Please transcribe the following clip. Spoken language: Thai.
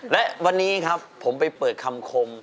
และวันนี้ครับผมไปเปิดคำคม